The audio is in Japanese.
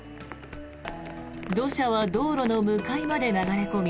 土砂は道路の向かいまで流れ込み